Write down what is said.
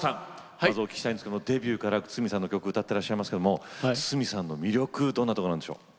まずお聞きしたいんですけどもデビューから筒美さんの曲歌ってらっしゃいますけども筒美さんの魅力どんなところなんでしょう？